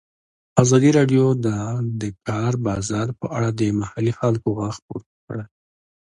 ازادي راډیو د د کار بازار په اړه د محلي خلکو غږ خپور کړی.